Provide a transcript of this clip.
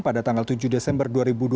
pada tanggal tujuh desember dua ribu dua puluh